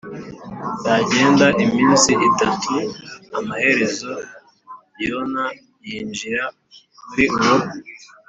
yagenda iminsi itatu Amaherezo Yona yinjira muri uwo